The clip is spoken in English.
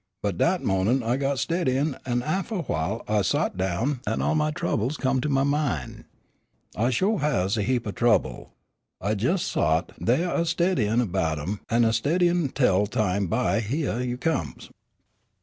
But dat mo'nin' I got to steadyin' an' aftah while I sot down an' all my troubles come to my min'. I sho' has a heap o' trouble. I jes' sot thaih a steadyin' 'bout 'em an' a steadyin' tell bime by, hyeah you comes.